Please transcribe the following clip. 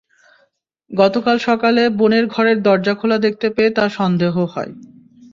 গতকাল সকালে বোনের ঘরের দরজা খোলা দেখতে পেয়ে তাঁর সন্দেহ হয়।